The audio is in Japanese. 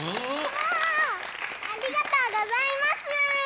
わあありがとうございます！